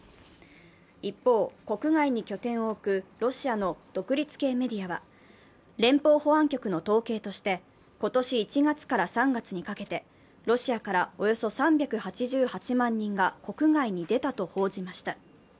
一方、国外に拠点を置くロシアの独立系メディアは連邦保安局の統計として、今年１月から３月にかけてロシアからおよそ３８８万人が国外に出たと報じました。